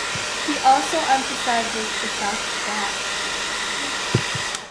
He also emphasizes the fact that